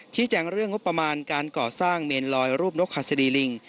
แจ้งเรื่องงบประมาณการก่อสร้างเมนลอยรูปนกหัสดีลิง